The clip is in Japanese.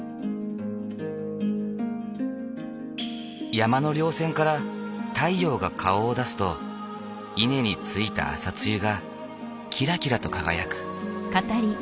山の稜線から太陽が顔を出すと稲についた朝露がキラキラと輝く。